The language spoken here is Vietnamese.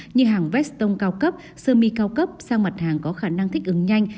như hàng vestong cao cấp sơ mi cao cấp sang mặt hàng có khả năng thích ứng nhanh